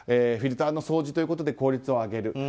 フィルターの掃除ということで効率を上げる。